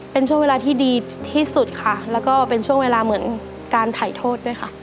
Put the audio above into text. เป็นช่วงเวลาที่ดีที่สุดค่ะแล้วก็เป็นช่วงเวลาเหมือนการถ่ายโทษด้วยค่ะ